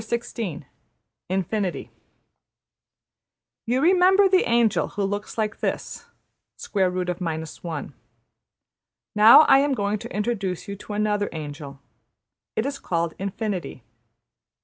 \chapter{Infinity} You remember the angel who looks like this, $\sqrt{ 1}$. Now I am going to introduce you to another angel. It is called ``Infinity.''